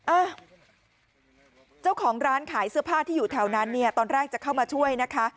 อ่ะเจ้าของร้านขายเสื้อผ้าที่อยู่แถวนั้นเนี่ยตอนแรกจะเข้ามาช่วยนะคะ